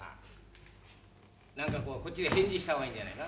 何かこうこっちで返事した方がいいんじゃないか？